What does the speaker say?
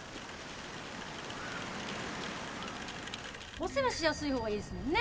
おせわしやすいほうがいいですもんね。